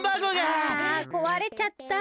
ああこわれちゃった。